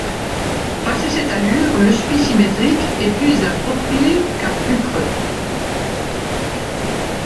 Passé cette allure, le spi symétrique est plus approprié car plus creux.